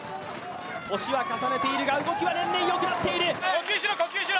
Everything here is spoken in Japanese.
年は重ねているが、動きは年々良くなっている。